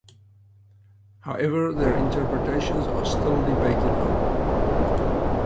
However their interpretations are still debated over.